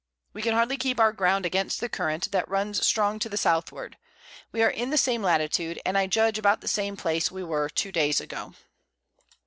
We can hardly keep our Ground against the Current, that runs strong to the Southward. We are in the same Latitude, and I judge about the same Place we were 2 Days ago.